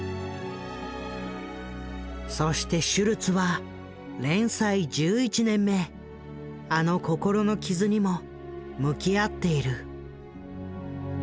そしてシュルツは連載１１年目あの心の傷にも向き合っている。